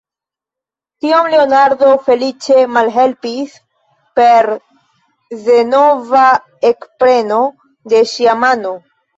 Tion Leonardo feliĉe malhelpis per denova ekpreno de ŝia mano.